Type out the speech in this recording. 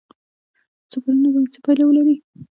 سفرونه باید څه پایله ولري؟